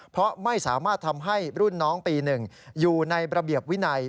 เพราะไม่สามารถทำให้รุ่นน้องปี๑อยู่ในระเบียบวินัย